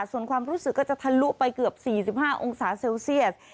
ส่วนความรู้สึกก็จะทะลุไปเกือบ๔๕องศาเซลเซียส